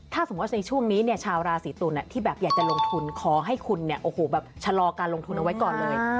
ถ้าสมมุติในช่วงนี้ชาวราศีตุ้นที่อยากจะลงทุนขอให้คุณชะลอการลงทุนเอาไว้ก่อนเลย